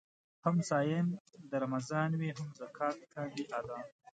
هم صايم د رمضان وي هم زکات کاندي ادا